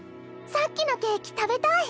さっきのケーキ食べたい！